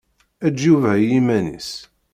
Eǧǧ Yuba i yiman-is.